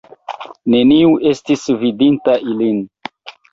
Neniu estis vidinta ilin.